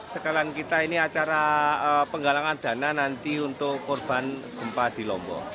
sekarang kita ini acara penggalangan dana nanti untuk korban gempa di lombok